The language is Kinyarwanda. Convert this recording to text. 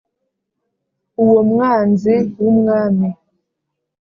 uwo mwanzi w’umwami